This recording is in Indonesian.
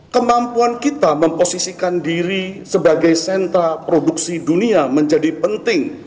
kemampuan kita memposisikan diri sebagai sentra produksi dunia menjadi penting